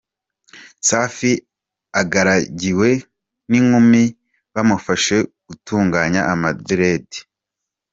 Safi agaragiwe n’inkumi bamufashe gutunganya amaderedi.